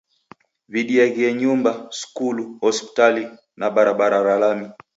W'idiaghie nyumba, skulu, hospitali, na barabara ra lami.